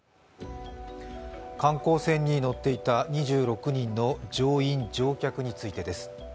観光船に乗っていた２６人の乗員・乗客についてです。